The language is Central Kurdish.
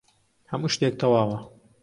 هەموو شتێک تەواوە.